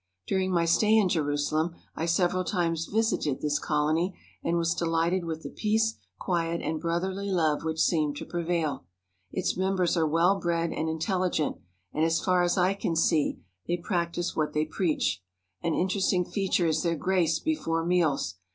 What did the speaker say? During my stay in Jerusalem I several times visited this colony, and was delighted with the peace, quiet, and brotherly love which seem to prevail. Its members are well bred and intelligent; and as far as I can see they practise what they preach. An interesting feature is their grace before meals.